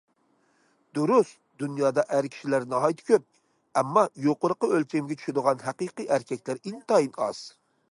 دۇرۇس، دۇنيادا ئەر كىشىلەر ناھايىتى كۆپ، ئەمما، يۇقىرىقى ئۆلچەمگە چۈشىدىغان ھەقىقىي ئەركەكلەر ئىنتايىن ئاز.